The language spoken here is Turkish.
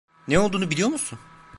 Ne olduğunu biliyor musun?